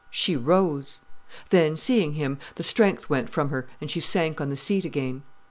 She rose. Then, seeing him, the strength went from her and she sank on the seat again.